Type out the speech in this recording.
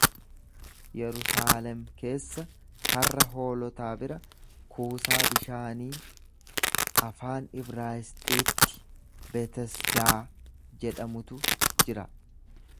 Yerusaalem keessa karra hoolotaa bira kuusaa bishaanii afaan Ibraayisxiitti Betesdaa jedhamutu jira.